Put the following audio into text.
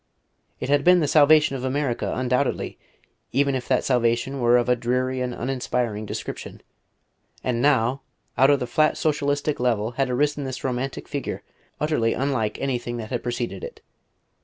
It had been the salvation of America, undoubtedly, even if that salvation were of a dreary and uninspiring description; and now out of the flat socialistic level had arisen this romantic figure utterly unlike any that had preceded it....